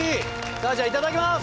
さあじゃあいただきます！